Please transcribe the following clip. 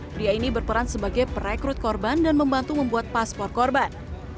pria ini berperan sebagai perekrut korban dan membantu membuat paspor korban